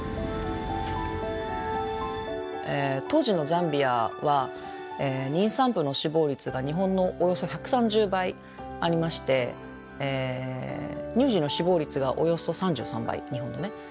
当時のザンビアは妊産婦の死亡率が日本のおよそ１３０倍ありまして乳児の死亡率がおよそ３３倍日本のね。